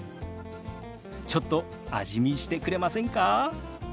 ちょっと味見してくれませんか？